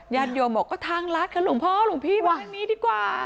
ญาติโยมบอกก็ทางรัฐค่ะหลวงพ่อหลวงพี่วางนี้ดีกว่า